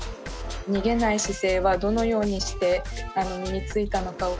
逃げない姿勢はどのようにして身についたのかを。